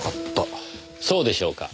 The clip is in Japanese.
そうでしょうか？